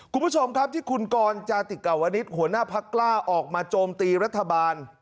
คุณผู้ชมครับที่คุณกรจาติกาวนิษฐ์หัวหน้าพักกล้าออกมาโจมตีรัฐบาล